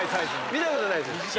見たことないです。